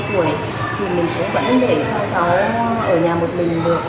thì mình cũng vẫn để cho cháu ở nhà một mình được